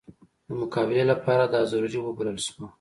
د مقابلې لپاره دا ضروري وبلله شوه.